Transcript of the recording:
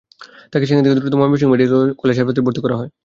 তাঁকে সেখান থেকে দ্রুত ময়মনসিংহ মেডিকেল কলেজ হাসপাতালে নিয়ে ভর্তি করা হয়।